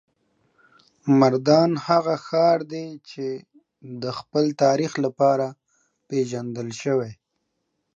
مردان هغه ښار دی چې د خپل تاریخ لپاره پیژندل شوی.